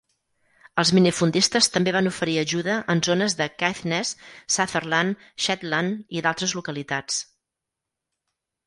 Els minifundistes també van oferir ajuda en zones de Caithness, Sutherland, Shetland i d'altres localitats.